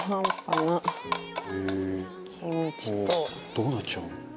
「どうなっちゃうの？」